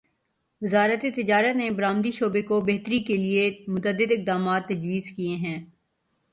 وزارت تجارت نے برآمدی شعبے کو بہتری کیلیے متعدد اقدامات تجویز کیے ہیں